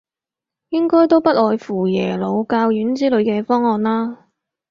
應該都不外乎耶魯、教院之類嘅方案啦